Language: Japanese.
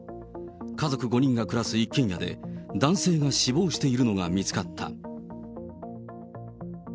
家族５人が暮らす一軒家で、男性が死亡しているのが見つかった。